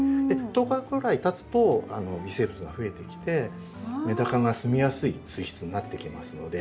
１０日ぐらいたつと微生物がふえてきてメダカが住みやすい水質になってきますので。